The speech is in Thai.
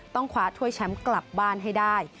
คว้าถ้วยแชมป์กลับบ้านให้ได้